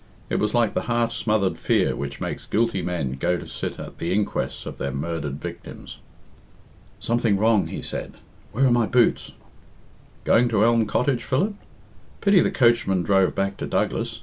It was like the half smothered fear which makes guilty men go to sit at the inquests on their murdered victims. "Something wrong," he said. "Where are my boots?" "Going to Elm Cottage, Philip? Pity the coachman drove back to Douglas.